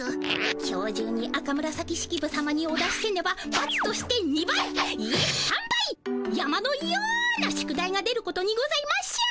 今日じゅうに赤紫式部さまにお出しせねばばつとして２倍いえ３倍山のような宿題が出ることにございましょう。